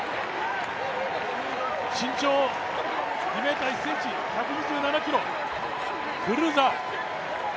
身長２ｍ１ｃｍ、１２７ｋｇ、クルーザー。